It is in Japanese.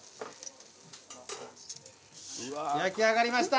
焼き上がりました。